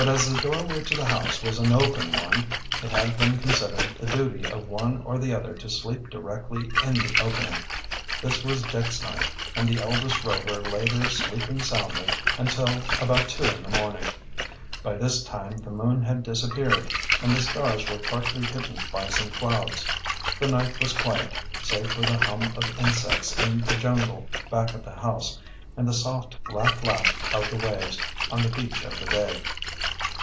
But as the doorway to the house was an open one it had been considered the duty of one or the other to sleep directly in the opening. This was Dick's night, and the eldest Rover lay there sleeping soundly until about two in the morning. By this time the moon had disappeared and the stars were partly hidden by some clouds. The night was quiet, save for the hum of insects in the jungle back of the house and the soft lap lap of the waves on the beach of the bay.